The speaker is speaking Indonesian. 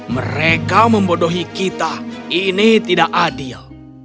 mereka membodohi kita ini tidak adil